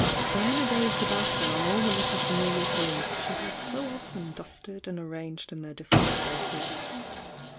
Diana gazed about her on all the little famihar things she had so often dusted and arranged in their different places.